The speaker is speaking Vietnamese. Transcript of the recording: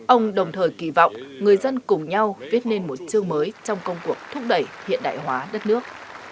ông đồng thời kỳ vọng người dân cùng nhau viết nên một chương mới trong công cuộc thúc đẩy hiện đại hóa đất nước